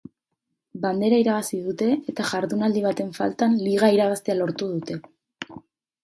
Bandera irabazi dute, eta jardunaldi baten faltan liga irabaztea lortu dute.